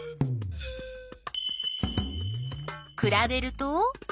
くらべると？